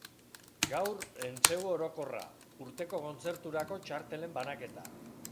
Gaur, entsegu orokorra, urteko kontzerturako txartelen banaketa.